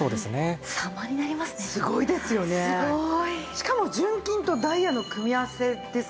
しかも純金とダイヤの組み合わせですからね。